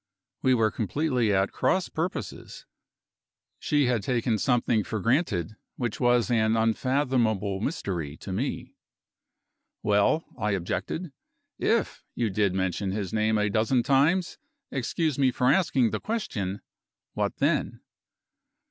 We were completely at cross purposes. She had taken something for granted which was an unfathomable mystery to me. "Well," I objected, "if you did mention his name a dozen times excuse me for asking the question what then?"